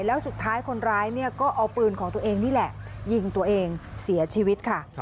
แล้วสุดท้ายคนร้ายเนี่ยก็เอาปืนของตัวเองนี่แหละยิงตัวเองเสียชีวิตค่ะ